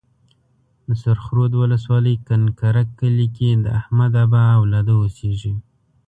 د سرخ رود ولسوالۍ کنکرک کلي کې د احمدآبا اولاده اوسيږي.